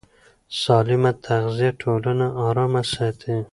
سالمه تغذیه ټولنه ارامه ساتي.